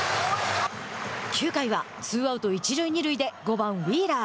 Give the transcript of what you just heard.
９回はツーアウト、一塁二塁で５番ウィーラー。